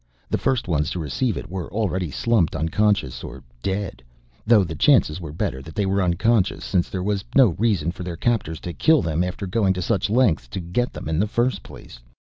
The first ones to receive it were already slumped unconscious or dead, though the chances were better that they were unconscious since there was no reason for their captors to kill them after going to such lengths to get them in the first place.